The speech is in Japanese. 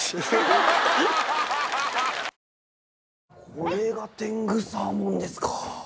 これが天狗サーモンですか。